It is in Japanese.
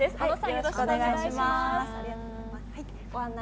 よろしくお願いします。